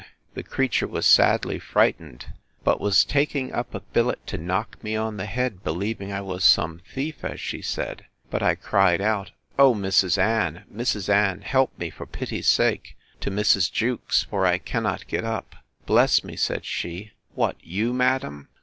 —The creature was sadly frightened, but was taking up a billet to knock me on the head, believing I was some thief, as she said; but I cried out, O Mrs. Ann, Mrs. Ann, help me, for pity's sake, to Mrs. Jewkes! for I cannot get up!—Bless me, said she, what! you, madam!